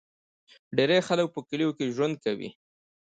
ډیری خلک په کلیو کې ژوند کوي.